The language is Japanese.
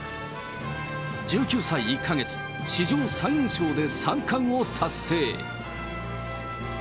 １９歳１か月、史上最年少で三冠を達成。